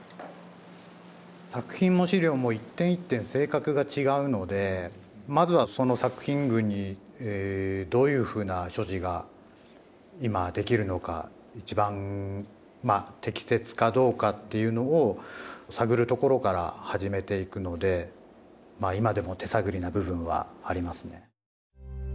作品も資料も一点一点性格が違うのでまずはその作品群にどういうふうな処置が今できるのか一番適切かどうかっていうのを探るところから始めていくので今でも手探りな部分はありますね。